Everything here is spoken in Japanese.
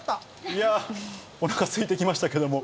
いや、おなかすいてきましたけども。